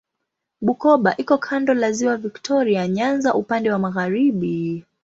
Bukoba iko kando la Ziwa Viktoria Nyanza upande wa magharibi.